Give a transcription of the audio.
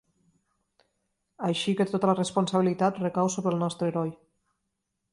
Així que tota la responsabilitat recau sobre el nostre heroi.